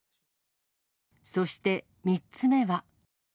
そして３つ目は。